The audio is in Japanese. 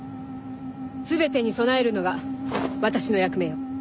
全てに備えるのが私の役目よ。